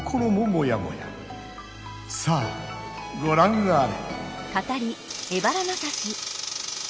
さあごらんあれ！